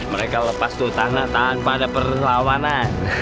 mereka lepas tuh tanah tanpa ada perlawanan